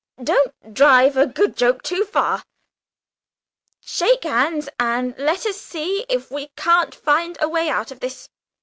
Don't drive a good joke too far; shake hands, and let us see if we can't find a way out of this!"